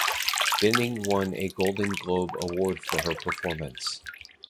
Bening won a Golden Globe Award for her performance.